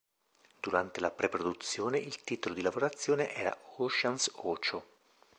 Durante la pre-produzione, il titolo di lavorazione era "Ocean's Ocho".